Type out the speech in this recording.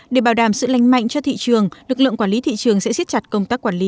để bảo đảm sự lành mạnh cho thị trường lực lượng quản lý thị trường sẽ xiết chặt công tác quản lý